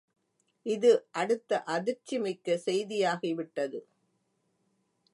இது அடுத்த அதிர்ச்சி மிக்க செய்தியாகிவிட்டது.